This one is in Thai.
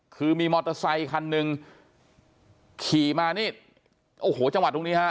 คือมีมอเตอร์ไซคันหนึ่งขี่มานี่โอ้โหจังหวัดตรงนี้ฮะ